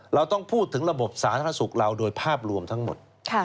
เราต้องพูดถึงระบบสาธารณสุขเราโดยภาพรวมทั้งหมด